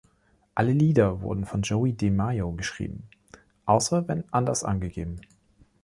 Alle Lieder wurden von Joey DeMaio geschrieben, außer wenn anders angegeben.